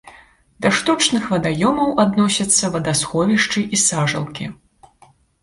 Да штучных вадаёмаў адносяцца вадасховішчы і сажалкі.